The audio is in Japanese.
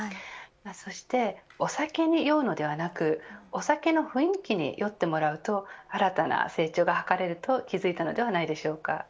そしてお酒に酔うのではなくお酒の雰囲気に酔ってもらうと新たな成長が図れると気付いたのではないでしょうか。